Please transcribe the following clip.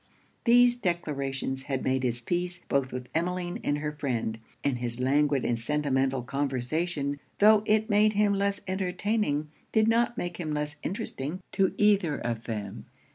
These declarations had made his peace both with Emmeline and her friend; and his languid and sentimental conversation, tho' it made him less entertaining, did not make him less interesting to either of them.